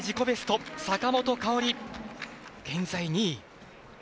ベスト坂本花織、現在２位。